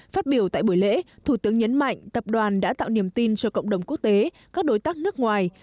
phát biểu tại buổi lễ thủ tướng nhấn mạnh tập đoàn đã tạo niềm tin cho cộng đồng quốc tế các đối tác nước ngoài